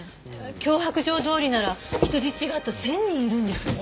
脅迫状どおりなら人質があと１０００人いるんでしょ？